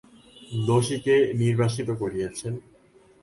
দোষীকে নির্বাসিত করিয়াছেন।